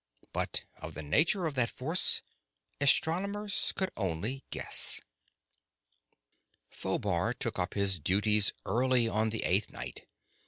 But of the nature of that force, astronomers could only guess. Phobar took up his duties early on the eighth night.